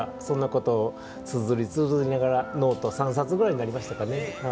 そんなことをつづりつづりながらノート３冊ぐらいになりましたかね。